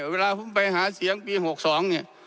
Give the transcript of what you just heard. เวลาผมไปหาเสียงปี๖๒เนี่ย